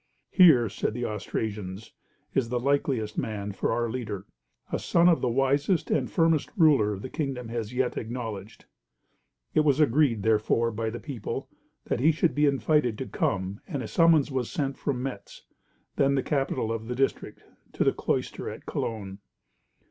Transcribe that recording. "Here," said the Austrasians, "is the likeliest man for our leader; a son of the wisest and firmest ruler the kingdom has yet acknowledged." It was agreed, therefore, by the people, that he should be invited to come, and a summons was sent from Metz, the then capital of the district, to the cloister at Cologne.